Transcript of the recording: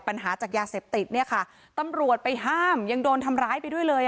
ปัญหาจากยาเสพติดเนี่ยค่ะตำรวจไปห้ามยังโดนทำร้ายไปด้วยเลย